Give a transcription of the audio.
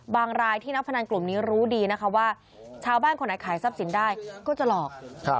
รายที่นักพนันกลุ่มนี้รู้ดีนะคะว่าชาวบ้านคนไหนขายทรัพย์สินได้ก็จะหลอก